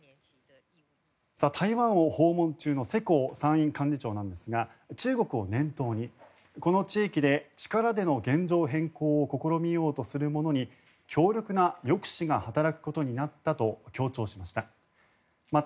台湾を訪問中の世耕参院幹事長なんですが中国を念頭にこの地域で力での現状変更を試みようとするものに強力な抑止が働くことになったと強調しました。